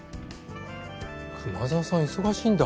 熊沢さん忙しいんだ。